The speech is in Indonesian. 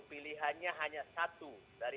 pilihannya hanya satu dari